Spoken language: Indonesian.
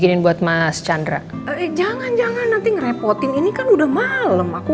ini mas calonnya itu kan apa